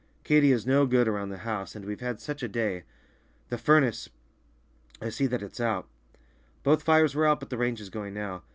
Katy is no good around the house, and we've had such a day! The furnace—" "I see that it's out." "Both fires were out, but the range is going now.